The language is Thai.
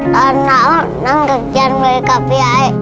ตอนหนาวนั่งกักยันเลยกับพี่ไอ้